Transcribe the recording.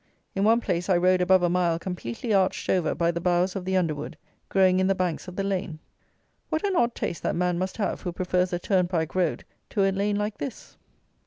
In one place I rode above a mile completely arched over by the boughs of the underwood, growing in the banks of the lane. What an odd taste that man must have who prefers a turnpike road to a lane like this.